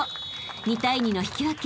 ２対２の引き分け］